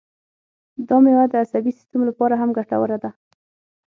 دا مېوه د عصبي سیستم لپاره هم ګټوره ده.